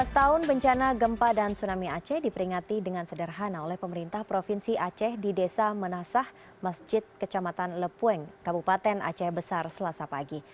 lima belas tahun bencana gempa dan tsunami aceh diperingati dengan sederhana oleh pemerintah provinsi aceh di desa menasah masjid kecamatan lepung kabupaten aceh besar selasa pagi